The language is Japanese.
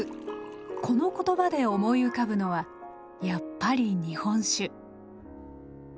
この言葉で思い浮かぶのはやっぱり「日本酒」。